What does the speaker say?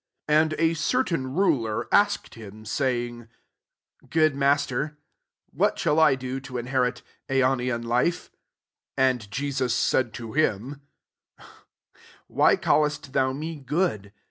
18 And a certain ruler asked him, saying, "Good Master, what shall I do to inherit aio oian life V* 19 and Jesus said to him, " Why callest thou me good